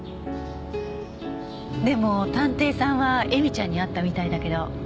でも探偵さんは絵美ちゃんに会ったみたいだけど。